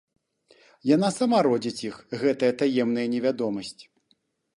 Яна сама родзіць іх, гэтая таемная невядомасць.